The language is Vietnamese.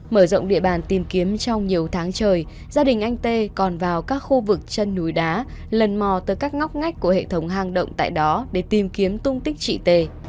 mở rộng địa bàn tìm kiếm trong nhiều tháng trời gia đình anh tê còn vào các khu vực chân núi đá lần mò tới các ngóc ngách của hệ thống hang động tại đó để tìm kiếm tung tích chị tề